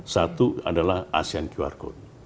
satu adalah asean qr code